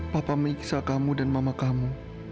papa menyiksa kamu dan mama kamu